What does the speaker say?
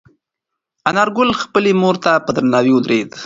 انارګل خپلې مور ته په درناوي ودرېد.